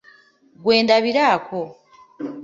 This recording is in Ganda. Gwe ndabirako.